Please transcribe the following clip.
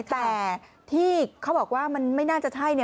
แต่ที่เขาบอกว่ามันไม่น่าจะใช่